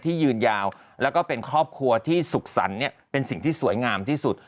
ยืนยาวแล้วก็เป็นครอบครัวที่สุขสรรค์เนี่ยเป็นสิ่งที่สวยงามที่สุด